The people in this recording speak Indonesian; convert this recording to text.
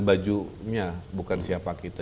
bajunya bukan siapa kita